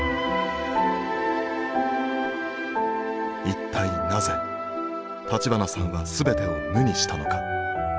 一体なぜ立花さんは全てを無にしたのか？